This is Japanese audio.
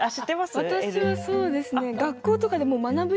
私はそうですね